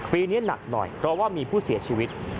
นี้หนักหน่อยเพราะว่ามีผู้เสียชีวิต